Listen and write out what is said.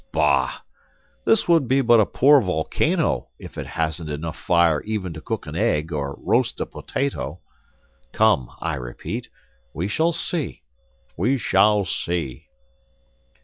Bah! This would be but a poor volcano if it hasn't enough fire even to cook an egg or roast a potato. Come, I repeat, we shall see! We shall see!"